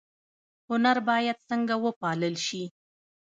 هنر باید څنګه وپال ل شي؟